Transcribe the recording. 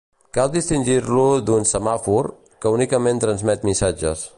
Cal distingir-lo d'un "semàfor", que únicament transmet missatges.